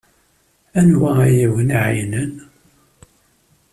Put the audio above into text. Anwa ay awen-iɛeyynen?